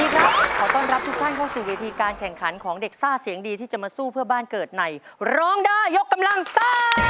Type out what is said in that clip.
ขอต้อนรับทุกท่านเข้าสู่เวทีการแข่งขันของเด็กซ่าเสียงดีที่จะมาสู้เพื่อบ้านเกิดในร้องได้ยกกำลังซ่า